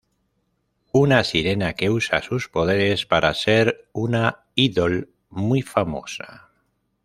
Una sirena que usa sus poderes para ser una idol muy famosa.